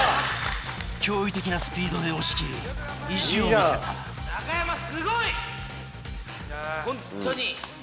驚異的なスピードで押し切り意地を見せたホントに！